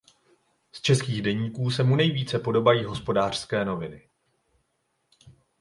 Z českých deníků se mu nejvíce podobají Hospodářské noviny.